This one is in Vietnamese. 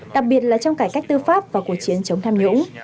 đặc biệt là trong cải cách tư pháp và cuộc chiến chống tham nhũng